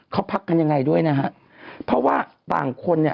เขาพักกันยังไงด้วยนะฮะเพราะว่าต่างคนเนี่ย